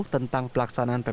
tentang pelaksanaan ppkm